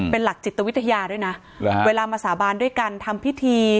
เป็นหลักจิตวิทยาด้วยนะเวลามาสาบานด้วยกันทำพิธี